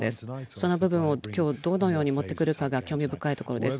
その部分を今日どのように持ってくるかが興味深いところです